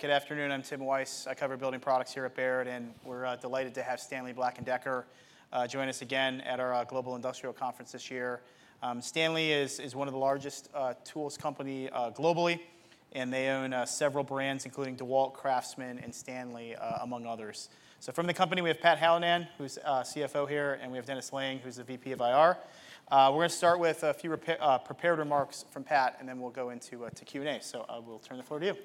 Good afternoon. I'm Tim Weiss. I cover building products here at Baird, and we're delighted to have Stanley Black & Decker join us again at our Global Industrial Conference this year. Stanley is one of the largest tools companies globally, and they own several brands, including Dewalt, Craftsman, and Stanley, among others. So from the company, we have Pat Hallinan, who's CFO here, and we have Dennis Lange, who's the VP of IR. We're going to start with a few prepared remarks from Pat, and then we'll go into Q&A. So I will turn the floor to you.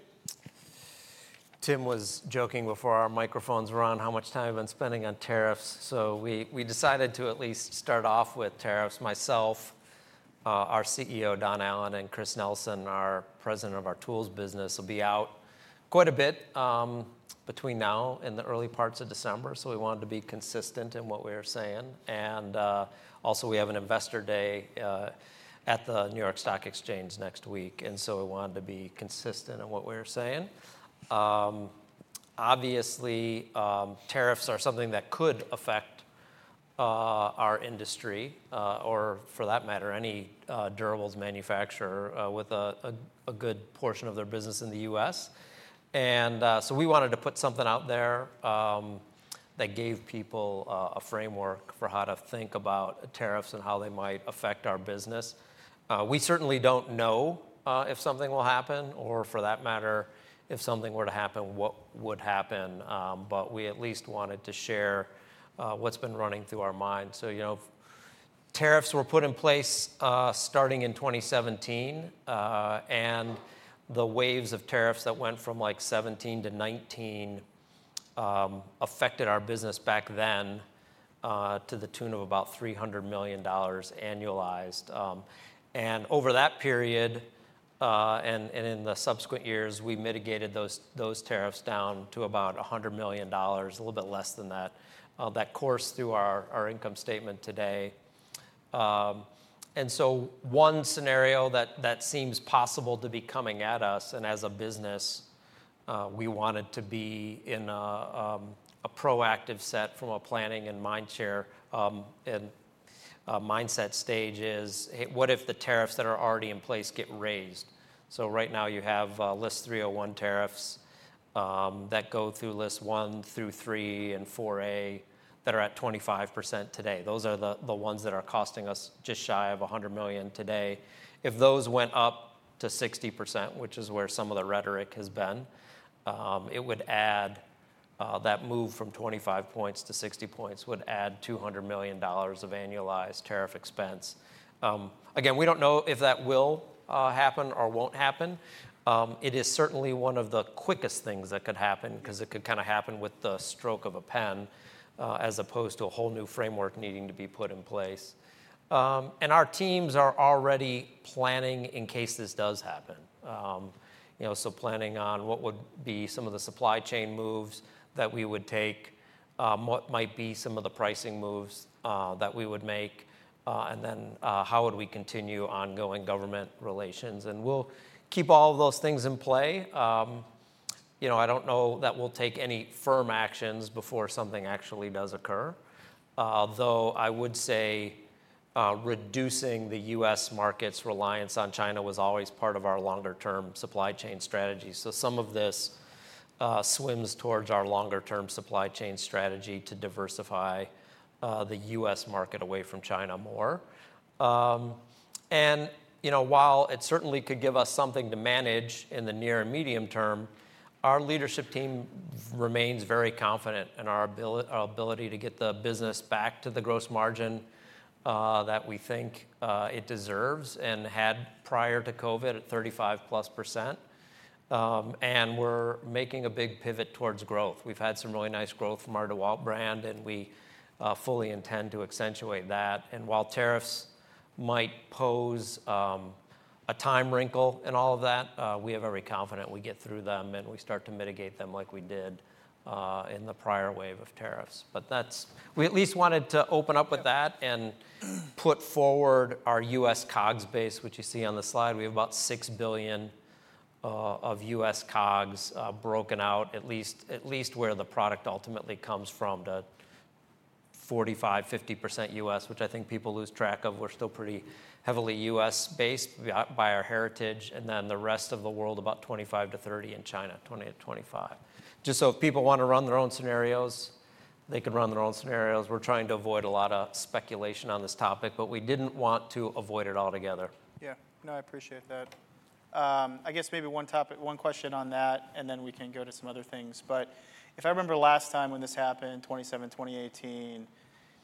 Tim was joking before our microphones were on how much time we've been spending on tariffs. So we decided to at least start off with tariffs. Myself, our CEO, Don Allan, and Chris Nelson, our President of our tools business, will be out quite a bit between now and the early parts of December. So we wanted to be consistent in what we were saying. And also, we have an Investor Day at the New York Stock Exchange next week. And so we wanted to be consistent in what we were saying. Obviously, tariffs are something that could affect our industry, or for that matter, any durables manufacturer with a good portion of their business in the U.S. And so we wanted to put something out there that gave people a framework for how to think about tariffs and how they might affect our business. We certainly don't know if something will happen, or for that matter, if something were to happen, what would happen. But we at least wanted to share what's been running through our minds. So tariffs were put in place starting in 2017, and the waves of tariffs that went from like 2017 to 2019 affected our business back then to the tune of about $300 million annualized. And over that period, and in the subsequent years, we mitigated those tariffs down to about $100 million, a little bit less than that, that course through our income statement today. And so one scenario that seems possible to be coming at us, and as a business, we wanted to be in a proactive set from a planning and mindset stage is, what if the tariffs that are already in place get raised? Right now, you have Section 301 tariffs that go through Lists 1 through 3 and 4A that are at 25% today. Those are the ones that are costing us just shy of $100 million today. If those went up to 60%, which is where some of the rhetoric has been, that move from 25 points to 60 points would add $200 million of annualized tariff expense. Again, we don't know if that will happen or won't happen. It is certainly one of the quickest things that could happen because it could kind of happen with the stroke of a pen as opposed to a whole new framework needing to be put in place. Our teams are already planning in case this does happen. So planning on what would be some of the supply chain moves that we would take, what might be some of the pricing moves that we would make, and then how would we continue ongoing government relations. And we'll keep all of those things in play. I don't know that we'll take any firm actions before something actually does occur. Though I would say reducing the U.S. market's reliance on China was always part of our longer-term supply chain strategy. So some of this swims towards our longer-term supply chain strategy to diversify the U.S. market away from China more. And while it certainly could give us something to manage in the near and medium term, our leadership team remains very confident in our ability to get the business back to the gross margin that we think it deserves and had prior to COVID at 35-plus%. And we're making a big pivot towards growth. We've had some really nice growth from our DeWalt brand, and we fully intend to accentuate that. And while tariffs might pose a time wrinkle and all of that, we are very confident we get through them and we start to mitigate them like we did in the prior wave of tariffs. But we at least wanted to open up with that and put forward our U.S. COGS base, which you see on the slide. We have about $6 billion of U.S. COGS broken out at least where the product ultimately comes from to 45%-50% U.S., which I think people lose track of. We're still pretty heavily U.S.-based by our heritage. And then the rest of the world, about 25%-30% in China, 20%-25%. Just so if people want to run their own scenarios, they can run their own scenarios. We're trying to avoid a lot of speculation on this topic, but we didn't want to avoid it altogether. Yeah. No, I appreciate that. I guess maybe one question on that, and then we can go to some other things. But if I remember last time when this happened, 2017, 2018,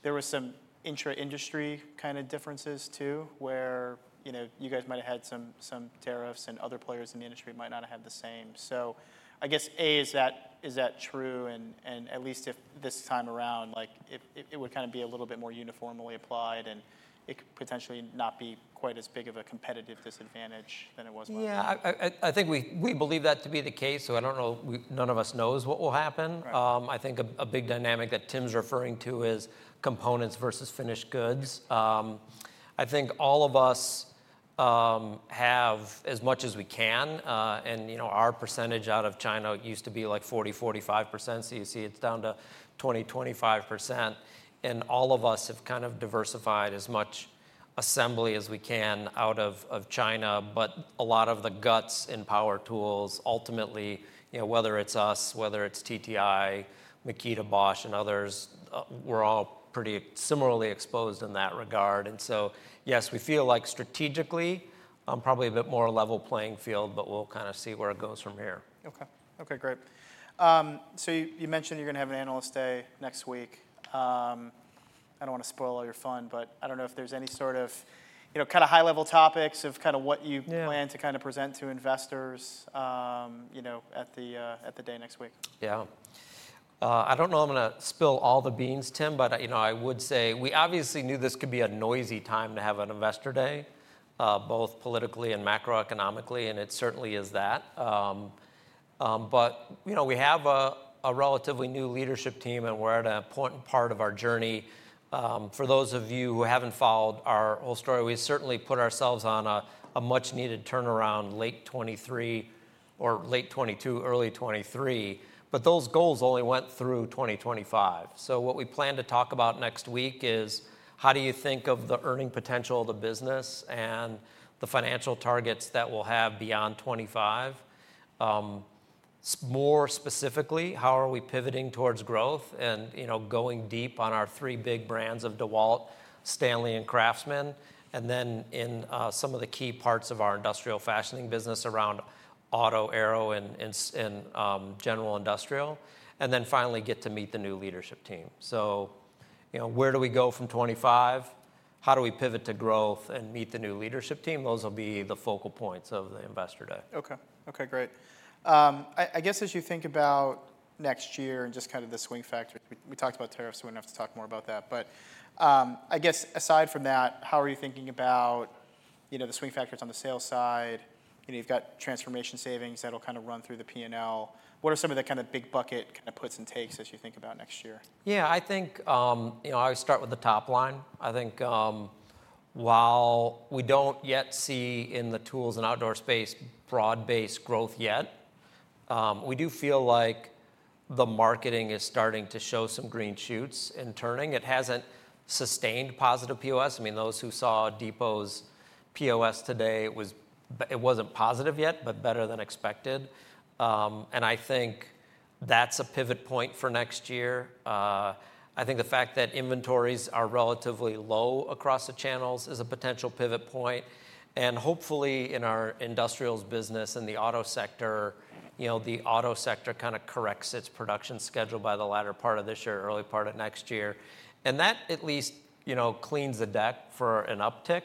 there were some intra-industry kind of differences too where you guys might have had some tariffs and other players in the industry might not have had the same. So I guess, A, is that true? And at least if this time around, it would kind of be a little bit more uniformly applied, and it could potentially not be quite as big of a competitive disadvantage than it was. Yeah. I think we believe that to be the case. So I don't know. None of us knows what will happen. I think a big dynamic that Tim's referring to is components versus finished goods. I think all of us have as much as we can. And our percentage out of China used to be like 40%-45%. So you see it's down to 20%-25%. And all of us have kind of diversified as much assembly as we can out of China. But a lot of the guts in power tools, ultimately, whether it's us, whether it's TTI, Makita, Bosch, and others, we're all pretty similarly exposed in that regard. And so yes, we feel like strategically, probably a bit more level playing field, but we'll kind of see where it goes from here. Okay. Okay, great, so you mentioned you're going to have an analyst day next week. I don't want to spoil all your fun, but I don't know if there's any sort of kind of high-level topics of kind of what you plan to kind of present to investors at the day next week. Yeah. I don't know if I'm going to spill all the beans, Tim, but I would say we obviously knew this could be a noisy time to have an investor day, both politically and macroeconomically, and it certainly is that. But we have a relatively new leadership team, and we're at an important part of our journey. For those of you who haven't followed our whole story, we certainly put ourselves on a much-needed turnaround late 2023 or late 2022, early 2023. But those goals only went through 2025. So what we plan to talk about next week is how do you think of the earning potential of the business and the financial targets that we'll have beyond 2025? More specifically, how are we pivoting towards growth and going deep on our three big brands of DeWalt, Stanley, and Craftsman? In some of the key parts of our industrial fastening business around auto, aero, and general industrial. Then finally, get to meet the new leadership team. Where do we go from 2025? How do we pivot to growth and meet the new leadership team? Those will be the focal points of the Investor Day. Okay. Okay, great. I guess as you think about next year and just kind of the swing factors, we talked about tariffs. We don't have to talk more about that. But I guess aside from that, how are you thinking about the swing factors on the sales side? You've got transformation savings that'll kind of run through the P&L. What are some of the kind of big bucket kind of puts and takes as you think about next year? Yeah. I think I would start with the top line. I think while we don't yet see in the tools and outdoor space broad-based growth yet, we do feel like the marketing is starting to show some green shoots and turning. It hasn't sustained positive POS. I mean, those who saw Depot's POS today, it wasn't positive yet, but better than expected. And I think that's a pivot point for next year. I think the fact that inventories are relatively low across the channels is a potential pivot point. And hopefully in our industrials business and the auto sector, the auto sector kind of corrects its production schedule by the latter part of this year, early part of next year. And that at least cleans the deck for an uptick.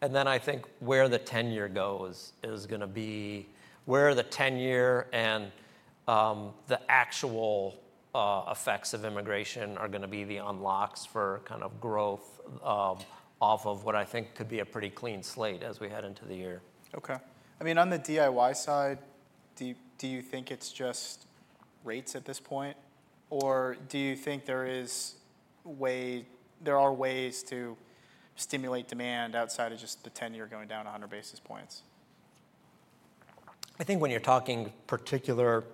And then I think where the 10-year goes is going to be where the 10-year and the actual effects of immigration are going to be the unlocks for kind of growth off of what I think could be a pretty clean slate as we head into the year. Okay. I mean, on the DIY side, do you think it's just rates at this point? Or do you think there are ways to stimulate demand outside of just the 10-year going down 100 basis points? I think when you're talking particular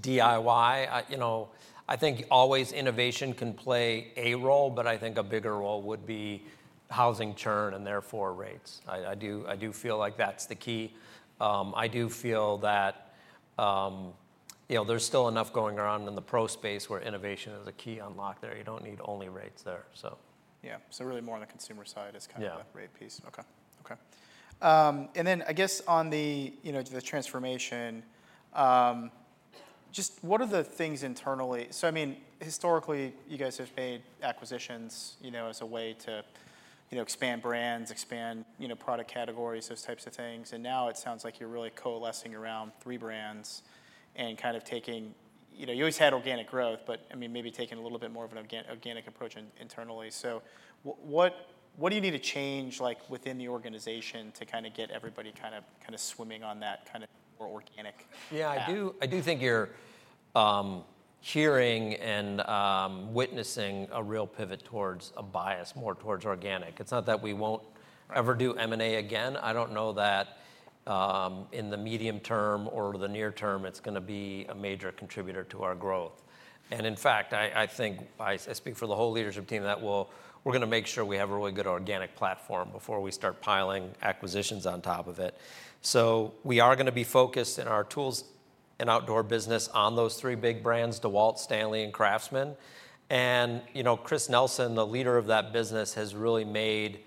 DIY, I think always innovation can play a role, but I think a bigger role would be housing churn and therefore rates. I do feel like that's the key. I do feel that there's still enough going around in the pro space where innovation is a key unlock there. You don't need only rates there, so. Yeah. So really more on the consumer side is kind of the rate piece. Yeah. Okay. Okay. And then I guess on the transformation, just what are the things internally? So I mean, historically, you guys have made acquisitions as a way to expand brands, expand product categories, those types of things. And now it sounds like you're really coalescing around three brands and kind of taking you always had organic growth, but I mean, maybe taking a little bit more of an organic approach internally. So what do you need to change within the organization to kind of get everybody kind of swimming on that kind of more organic? Yeah. I do think you're hearing and witnessing a real pivot towards a bias more towards organic. It's not that we won't ever do M&A again. I don't know that in the medium term or the near term, it's going to be a major contributor to our growth. And in fact, I think I speak for the whole leadership team that we're going to make sure we have a really good organic platform before we start piling acquisitions on top of it. So we are going to be focused in our tools and outdoor business on those three big brands, DeWalt, Stanley, and Craftsman. And Chris Nelson, the leader of that business, has really made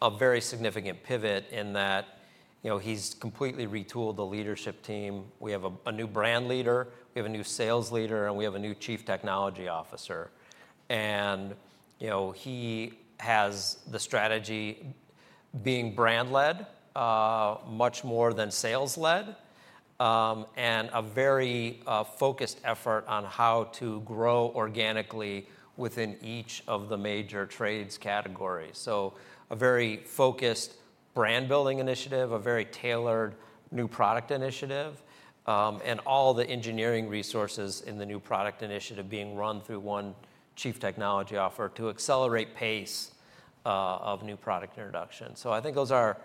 a very significant pivot in that he's completely retooled the leadership team. We have a new brand leader. We have a new sales leader, and we have a new Chief Technology Officer. And he has the strategy being brand-led much more than sales-led and a very focused effort on how to grow organically within each of the major trades categories. So a very focused brand-building initiative, a very tailored new product initiative, and all the engineering resources in the new product initiative being run through one chief technology officer to accelerate pace of new product introduction. So I think those are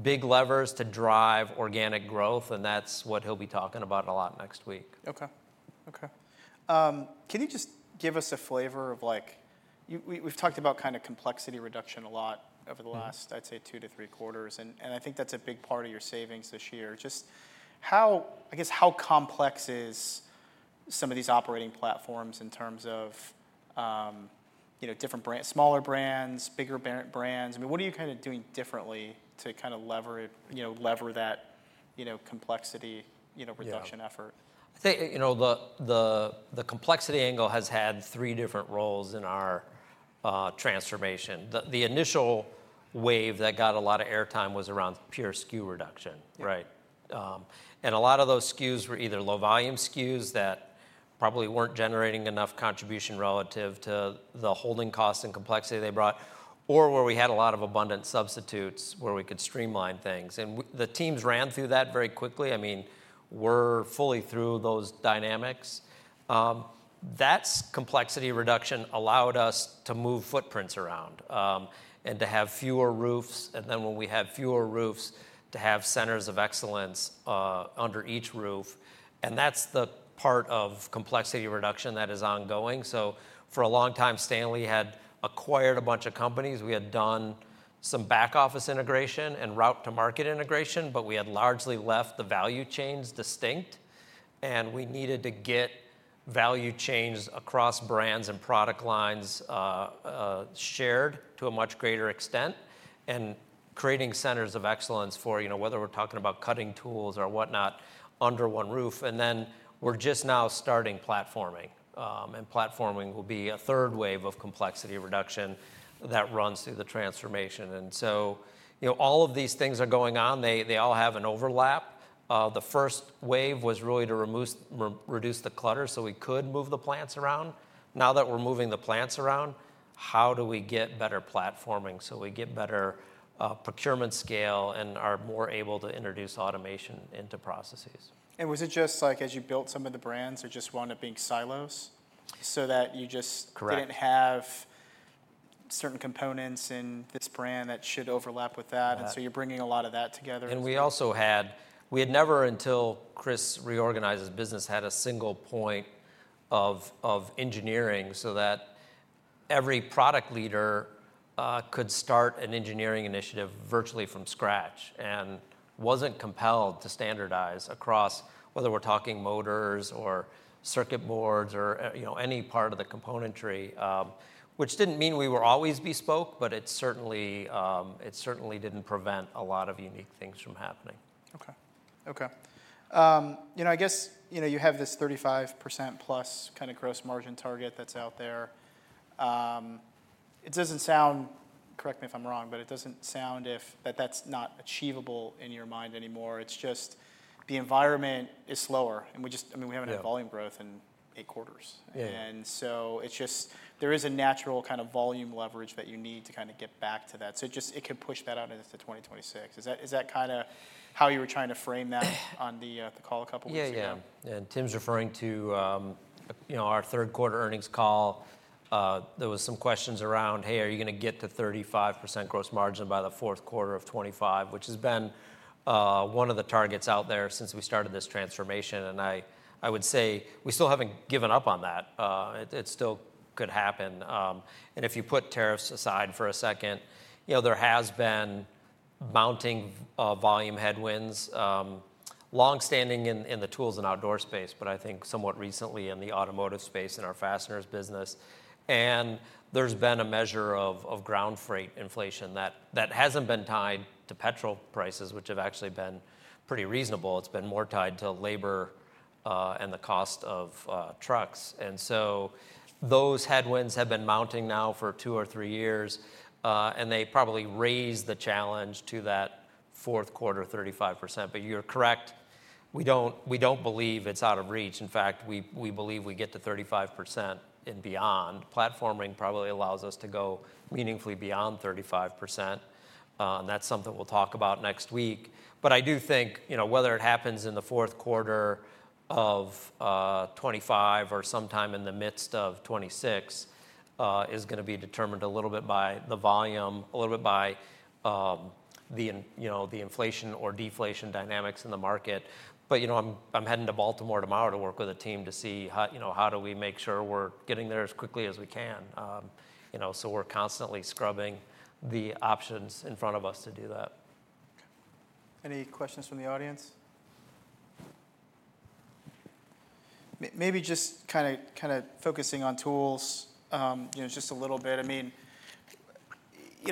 big levers to drive organic growth, and that's what he'll be talking about a lot next week. Okay. Okay. Can you just give us a flavor of we've talked about kind of complexity reduction a lot over the last, I'd say, two to three quarters, and I think that's a big part of your savings this year. Just, I guess, how complex is some of these operating platforms in terms of different smaller brands, bigger brands? I mean, what are you kind of doing differently to kind of leverage that complexity reduction effort? Yeah. I think the complexity angle has had three different roles in our transformation. The initial wave that got a lot of airtime was around pure SKU reduction, right? And a lot of those SKUs were either low-volume SKUs that probably weren't generating enough contribution relative to the holding costs and complexity they brought, or where we had a lot of abundant substitutes where we could streamline things. And the teams ran through that very quickly. I mean, we're fully through those dynamics. That's complexity reduction allowed us to move footprints around and to have fewer roofs. And then when we have fewer roofs, to have centers of excellence under each roof. And that's the part of complexity reduction that is ongoing. So for a long time, Stanley had acquired a bunch of companies. We had done some back office integration and route-to-market integration, but we had largely left the value chains distinct. And we needed to get value chains across brands and product lines shared to a much greater extent and creating centers of excellence for whether we're talking about cutting tools or whatnot under one roof. And then we're just now starting platforming. And platforming will be a third wave of complexity reduction that runs through the transformation. And so all of these things are going on. They all have an overlap. The first wave was really to reduce the clutter so we could move the plants around. Now that we're moving the plants around, how do we get better platforming so we get better procurement scale and are more able to introduce automation into processes? And was it just like as you built some of the brands or just wound up being silos so that you just didn't have certain components in this brand that should overlap with that? And so you're bringing a lot of that together. We also had never until Chris reorganized his business had a single point of engineering so that every product leader could start an engineering initiative virtually from scratch and wasn't compelled to standardize across whether we're talking motors or circuit boards or any part of the componentry, which didn't mean we were always bespoke, but it certainly didn't prevent a lot of unique things from happening. Okay. Okay. I guess you have this 35% plus kind of gross margin target that's out there. It doesn't sound, correct me if I'm wrong, but it doesn't sound that that's not achievable in your mind anymore. It's just the environment is slower. I mean, we haven't had volume growth in eight quarters. And so there is a natural kind of volume leverage that you need to kind of get back to that. So it could push that out into 2026. Is that kind of how you were trying to frame that on the call a couple of weeks ago? Yeah. And Tim's referring to our third quarter earnings call. There were some questions around, "Hey, are you going to get to 35% gross margin by the fourth quarter of 2025?" which has been one of the targets out there since we started this transformation. And I would say we still haven't given up on that. It still could happen. And if you put tariffs aside for a second, there has been mounting volume headwinds, long-standing in the tools and outdoor space, but I think somewhat recently in the automotive space in our fasteners business. And there's been a measure of ground freight inflation that hasn't been tied to petrol prices, which have actually been pretty reasonable. It's been more tied to labor and the cost of trucks. And so those headwinds have been mounting now for two or three years. And they probably raise the challenge to that fourth quarter 35%. But you're correct. We don't believe it's out of reach. In fact, we believe we get to 35% and beyond. Platforming probably allows us to go meaningfully beyond 35%. And that's something we'll talk about next week. But I do think whether it happens in the fourth quarter of 2025 or sometime in the midst of 2026 is going to be determined a little bit by the volume, a little bit by the inflation or deflation dynamics in the market. But I'm heading to Baltimore tomorrow to work with a team to see how do we make sure we're getting there as quickly as we can. So we're constantly scrubbing the options in front of us to do that. Okay. Any questions from the audience? Maybe just kind of focusing on tools just a little bit. I mean,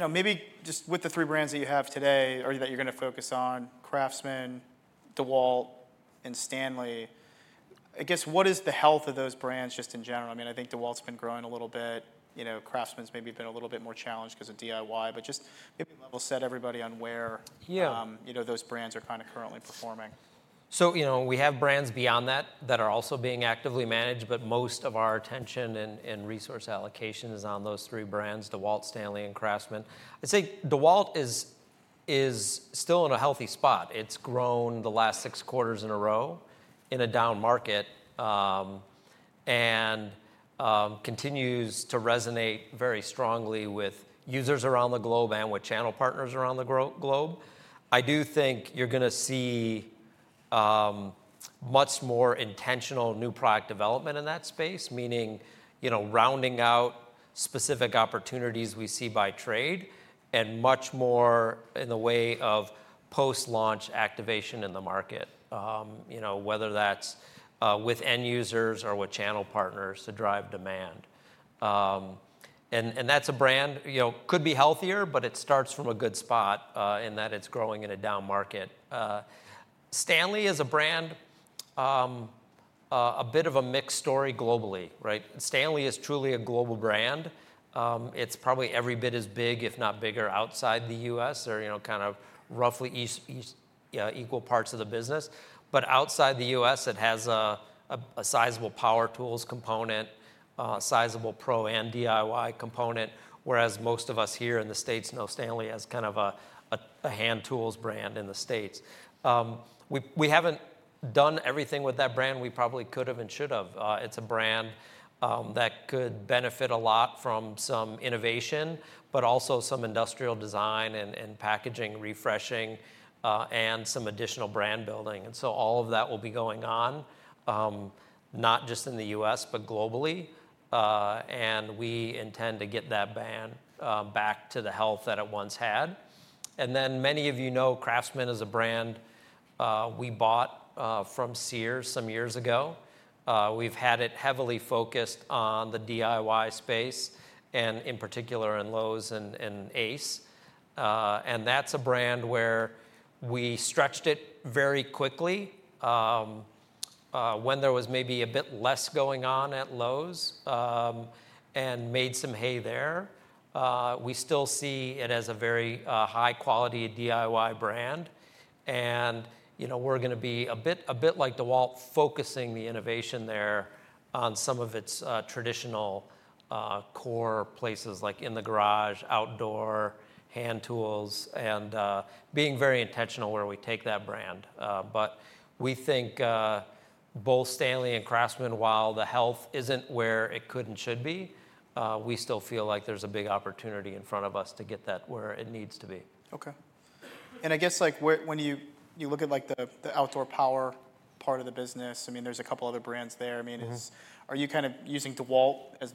maybe just with the three brands that you have today or that you're going to focus on, Craftsman, DeWalt, and Stanley, I guess what is the health of those brands just in general? I mean, I think DeWalt's been growing a little bit. Craftsman's maybe been a little bit more challenged because of DIY. But just maybe level set everybody on where those brands are kind of currently performing. So we have brands beyond that that are also being actively managed, but most of our attention and resource allocation is on those three brands, DeWalt, Stanley, and Craftsman. I'd say DeWalt is still in a healthy spot. It's grown the last six quarters in a row in a down market and continues to resonate very strongly with users around the globe and with channel partners around the globe. I do think you're going to see much more intentional new product development in that space, meaning rounding out specific opportunities we see by trade and much more in the way of post-launch activation in the market, whether that's with end users or with channel partners to drive demand. And that's a brand that could be healthier, but it starts from a good spot in that it's growing in a down market. Stanley is a brand a bit of a mixed story globally, right? Stanley is truly a global brand. It's probably every bit as big, if not bigger, outside the U.S. or kind of roughly equal parts of the business. But outside the U.S., it has a sizable power tools component, sizable pro and DIY component, whereas most of us here in the States know Stanley as kind of a hand tools brand in the States. We haven't done everything with that brand. We probably could have and should have. It's a brand that could benefit a lot from some innovation, but also some industrial design and packaging refreshing and some additional brand building. And so all of that will be going on, not just in the U.S., but globally. And we intend to get that brand back to the health that it once had. And then many of you know Craftsman is a brand we bought from Sears some years ago. We've had it heavily focused on the DIY space and in particular in Lowe's and Ace. And that's a brand where we stretched it very quickly when there was maybe a bit less going on at Lowe's and made some hay there. We still see it as a very high-quality DIY brand. And we're going to be a bit like DeWalt, focusing the innovation there on some of its traditional core places like in the garage, outdoor, hand tools, and being very intentional where we take that brand. But we think both Stanley and Craftsman, while the health isn't where it could and should be, we still feel like there's a big opportunity in front of us to get that where it needs to be. Okay. And I guess when you look at the outdoor power part of the business, I mean, there's a couple other brands there. I mean, are you kind of using DeWalt as.